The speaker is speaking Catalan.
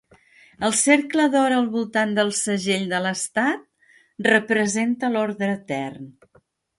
El cercle d'or al voltant del segell de l'estat representa l'ordre etern.